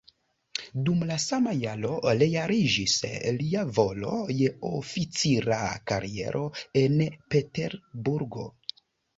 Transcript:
Dum la sama jaro realiĝis lia volo je oficira kariero en Peterburgo.